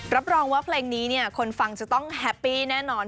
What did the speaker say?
รับรองว่าเพลงนี้คนฟังจะต้องแฮปปี้แน่นอน